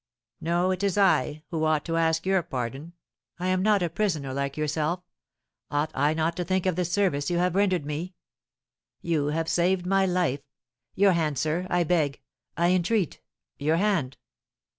"No, it is I who ought to ask your pardon; am I not a prisoner like yourself? Ought I not to think of the service you have rendered me? You have saved my life. Your hand, sir, I beg I entreat your hand!"